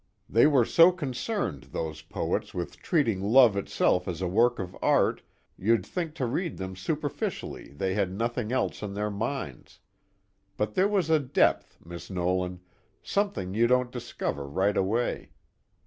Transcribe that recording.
They were so concerned, those poets, with treating love itself as a work of art, you'd think to read them superficially they had nothing else on their minds. But there was a depth, Miss Nolan, something you don't discover right away.